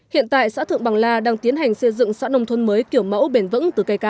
hiện tại xã thượng bằng la đang tiến hành xây dựng xã nông thôn mới kiểu mẫu bền vững từ cây ca